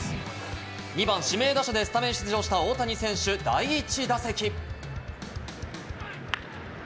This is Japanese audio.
２番・指名打者でスタメン出場した大谷選手、第１打席。